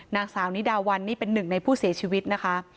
นางสาวนิดาวันนี่เป็นหนึ่งในผู้เสียชีวิตนะคะ